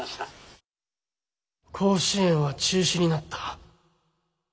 甲子園は中止になった。